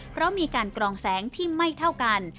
เพราะมีการกรองแสงที่ไม่เท่ากัน